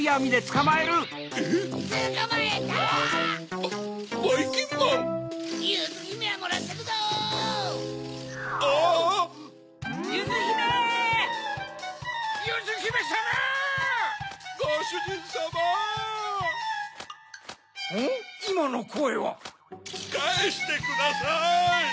かえしてください！